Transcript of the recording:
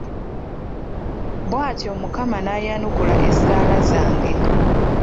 Bw'atyo Mukama n'ayanukula essaala zange.